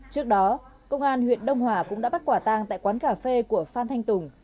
trước đó công an huyện đông hòa cũng đã bắt quả tang tại quán cà phê của phan thanh tùng